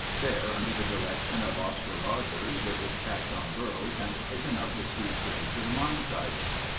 There, under the direction of Oscar Rogers, it was packed on burros and taken up the steep grade to the mine site.